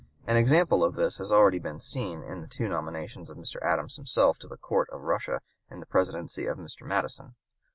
An example of this has been already seen in the two nominations of Mr. Adams himself to the Court of Russia in the Presidency of Mr. (p. 190) Madison.